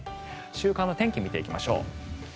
週間の天気を見ていきましょう。